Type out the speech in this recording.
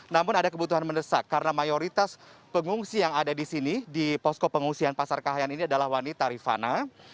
namun ada kebutuhan mendesak karena mayoritas pengungsi yang ada di sini di posko pengungsian pasar kahayan ini adalah wanita rifana